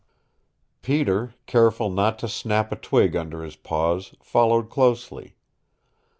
Peter, careful not to snap a twig under his paws, followed closely.